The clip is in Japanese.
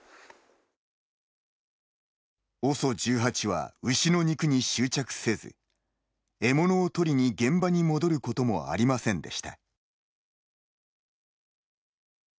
ＯＳＯ１８は牛の肉に執着せず獲物を取りに現場に戻ることもありませんでした。